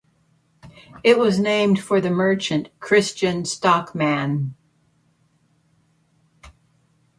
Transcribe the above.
It was named for the merchant Christian Stockmann.